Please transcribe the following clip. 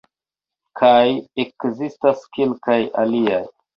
Kaj ekzistas kelkaj aliaj.